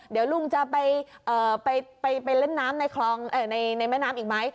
เดี๋ยวลุงจะไปเล่นน้ำในคลองในแม่น้ำอีกไหม